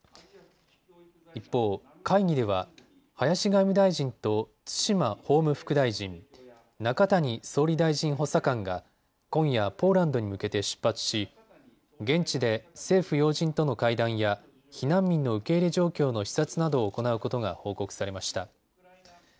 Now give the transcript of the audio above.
一方、会議では林外務大臣と津島法務副大臣、中谷総理大臣補佐官が今夜ポーランドに向けて出発し現地で政府要人との会談や避難民の受け入れ状況の視察などを行うことが報告されました。